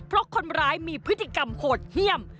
เพราะคนร้ายมีพฤติกรรมโหดเยี่ยม